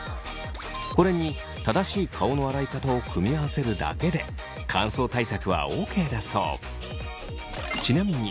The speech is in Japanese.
これに正しい顔の洗い方を組み合わせるだけで乾燥対策はＯＫだそう。